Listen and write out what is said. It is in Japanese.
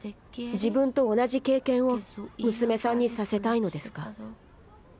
「自分と同じ経験を娘さんにさせたいのですか？」。